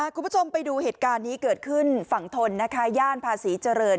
คุณผู้ชมไปดูเหตุการณ์นี้เกิดขึ้นฝั่งทนนะคะย่านภาษีเจริญ